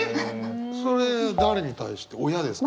それ誰に対して親ですか？